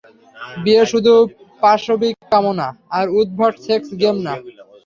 বিয়ে শুধু পাশবিক কামনা, আর উদ্ভট সেক্স গেম না।